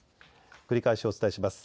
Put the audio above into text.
繰り返しお伝えします。